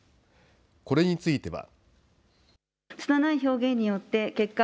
これについては。